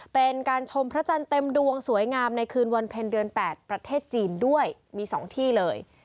เป็นการชมพระจันทร์เต็มดวงสวยงามในคืนวันเพ็ญเดือน๘ประเทศจีนด้วยมี๒ที่เลย